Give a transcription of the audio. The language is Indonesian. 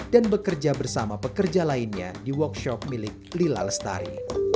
dan bekerja bersama pekerja lainnya di workshop milik lila lestari